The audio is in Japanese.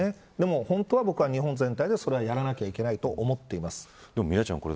でも本当は日本全体でやらないといけないと思っています。